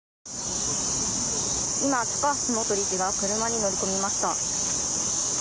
今、高橋元理事が車に乗り込みました。